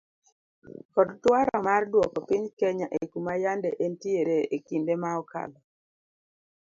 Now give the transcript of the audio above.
Kod dwaro mar dwoko piny kenya ekuma yande entiere ekinde ma okalo